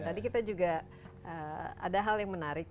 tadi kita juga ada hal yang menarik